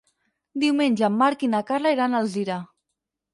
Diumenge en Marc i na Carla iran a Alzira.